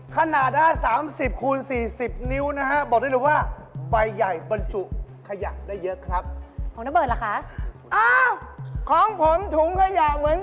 กลิ่นแอปเคร็ดลินเหรอ